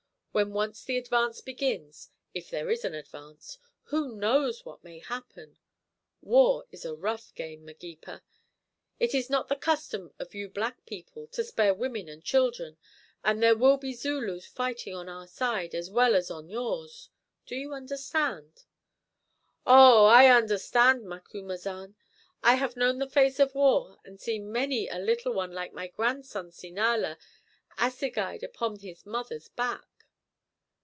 When once the advance begins, if there is an advance, who knows what may happen? War is a rough game, Magepa. It is not the custom of you black people to spare women and children, and there will be Zulus fighting on our side as well as on yours; do you understand?" "Ow! I understand, Macumazahn. I have known the face of war and seen many a little one like my grandson Sinala assegaied upon his mother's back."